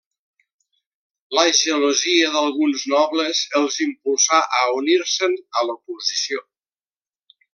La gelosia d'alguns nobles els impulsà a unir-se'n a l'oposició.